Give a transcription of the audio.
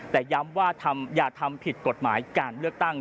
แต่ย้ำว่าอย่าทำผิดกฎหมายการเลือกตั้ง